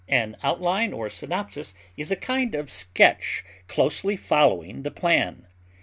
An outline or synopsis is a kind of sketch closely following the plan.